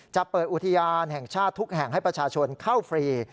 จะเปิดอุทยานแห่งชาติทุกแห่งให้ประชาชนเข้าฟรี